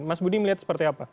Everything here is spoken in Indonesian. mas budi melihat seperti apa